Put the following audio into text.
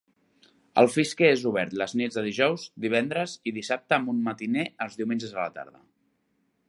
El Fiske és obert les nits de dijous, divendres i dissabte amb un matiné els diumenges a la tarda.